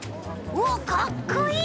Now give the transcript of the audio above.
おっかっこいい！